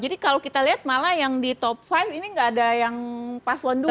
jadi kalau kita lihat malah yang di top five ini gak ada yang paslon dua